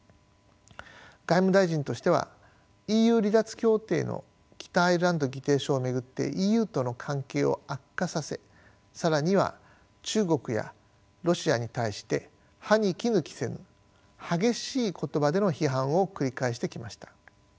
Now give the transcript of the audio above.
外務大臣としてはＥＵ離脱協定の北アイルランド議定書を巡ってＥＵとの関係を悪化させ更には中国やロシアに対して歯に衣着せぬ激しい言葉での批判を繰り返してきました。